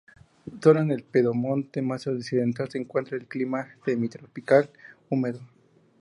Solo en el pedemonte más occidental se encuentra el clima semitropical húmedo.